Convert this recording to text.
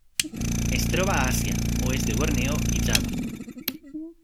Es troba a Àsia: oest de Borneo i Java.